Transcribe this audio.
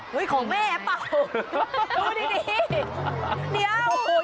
โหยของแม่เปล่าดูนี้